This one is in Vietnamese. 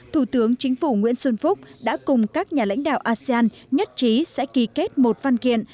thủ tướng chính phủ nguyễn xuân phúc đã cùng các nhà lãnh đạo asean nhất trí sẽ ký kết một văn kiện